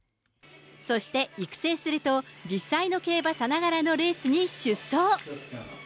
そして育成すると、実際の競馬さながらのレースに出走。